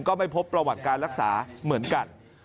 ก็ไม่พบประวัติการรักษาเหมือนกัน